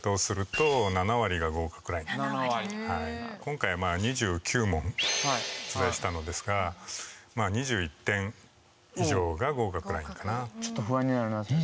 今回は２９問出題したのですが２１点以上が合格ラインかな。